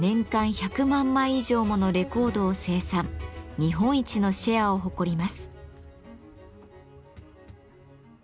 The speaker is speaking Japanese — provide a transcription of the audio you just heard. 日本一のシェアを誇ります。